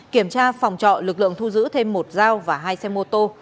kiểm tra phòng trọ lực lượng thu giữ thêm một dao và hai xe mô tô